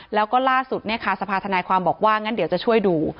แล้วก็ล่าสุดสภาธนายความบอกว่างั้นเดี๋ยวจะช่วยดู